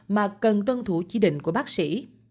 mà cần tuân thủ chỉ định của bác sĩ